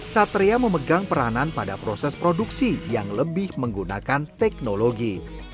satria memegang peranan pada proses produksi yang lebih menggunakan teknologi